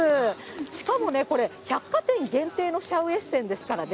しかもね、これ、百貨店限定のシャウエッセンですからね。